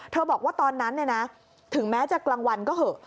บอกว่าตอนนั้นถึงแม้จะกลางวันก็เหอะ